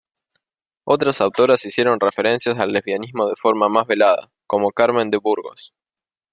Otras autoras hicieron referencias al lesbianismo de forma más velada, como Carmen de Burgos.